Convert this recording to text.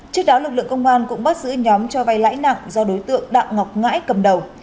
trước đó lực lượng công an cũng bắt giữ nhóm cho vay lãi nặng do đối tượng đạo ngọc ngãi cầm đầu